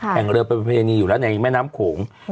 แห่งเรือเป็นประเพณีอยู่แล้วในแม่น้ำโขง